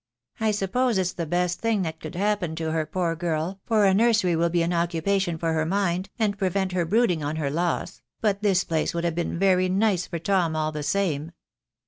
"I suppose it's the best thing that could happen to her, poor girl, for a nursery will be an occupation for her mind, and prevent her brooding on her loss; but this place would have been very nice for Tom all the same."